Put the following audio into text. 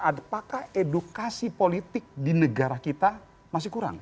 apakah edukasi politik di negara kita masih kurang